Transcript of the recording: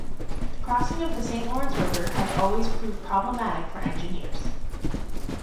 The crossing of the Saint Lawrence River has always proved problematic for engineers.